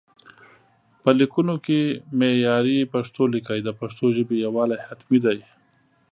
په ليکونو کې معياري پښتو ليکئ، د پښتو ژبې يووالي حتمي دی